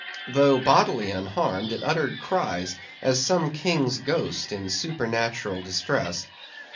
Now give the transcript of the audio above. Though bodily unharmed, it uttered cries, as some king's ghost in supernatural distress.